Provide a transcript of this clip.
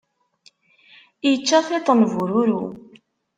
Ičča tiṭ n bururu.